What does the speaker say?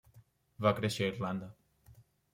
Va créixer a Irlanda.